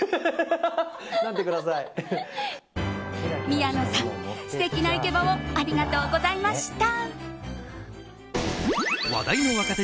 宮野さん、素敵なイケボをありがとうございました！